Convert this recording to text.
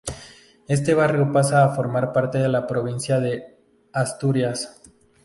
Este barrio pasa a formar parte de la provincia de Asturias.